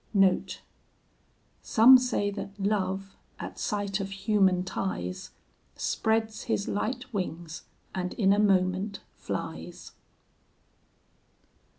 Some say that Love, at sight of human ties, Spreads his light wings, and in a moment flies.